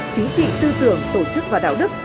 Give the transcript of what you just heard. chính trị tư tưởng tổ chức và đạo đức